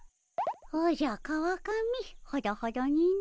おじゃ川上ほどほどにの。